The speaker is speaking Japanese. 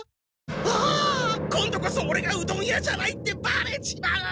ああ今度こそオレがうどん屋じゃないってバレちまう！